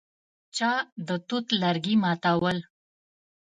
چا د توت لرګي ماتول.